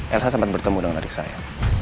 elsa sempat bertemu dengan adik saya